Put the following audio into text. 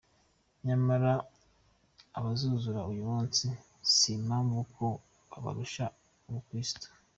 Nyamara abazuzura uyu munsi simpamya ko babarusha ubukristu.